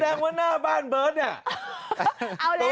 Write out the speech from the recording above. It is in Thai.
แสดงว่าหน้าบ้านเบิร์ตนี่